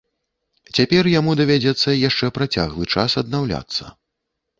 Цяпер яму давядзецца яшчэ працяглы час аднаўляцца.